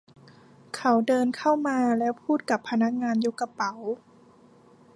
เขาเดินเข้ามาและพูดกับพนักงานยกกระเป๋า